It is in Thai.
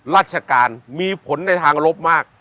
ราชการมีผลในทางลบมาก